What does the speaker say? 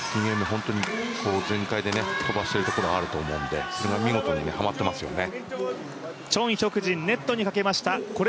本当に全開で飛ばしているところがあると思うのでそれが見事にはまってますよね。